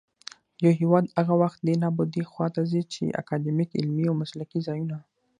يـو هـېواد هغـه وخـت دې نـابـودۍ خـواته ځـي ،چـې اکـادميـک، عـلمـي او مـسلـکي ځـايـونــه